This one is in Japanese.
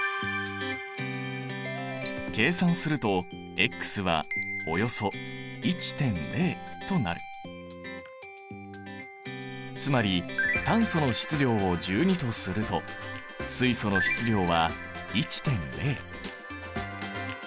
計算するとつまり炭素の質量を１２とすると水素の質量は１．０。